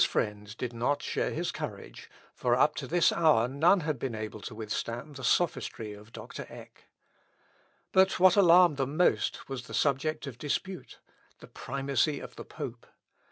] All Luther's friends did not share his courage, for up to this hour none had been able to withstand the sophistry of Dr. Eck. But what alarmed them most was the subject of dispute the primacy of the pope!...